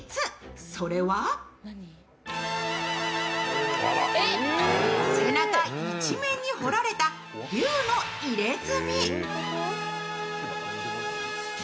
それは背中一面にほられた龍の入れ墨。